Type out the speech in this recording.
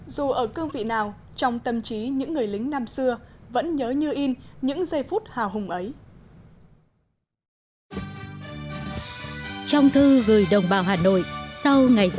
dù ở cương vị nào trong tâm trí những người lính năm xưa vẫn nhớ như in những giây phút hào hùng ấy